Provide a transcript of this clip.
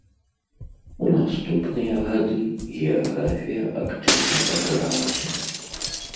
У наступныя гады геаграфія актыўна пашыралася.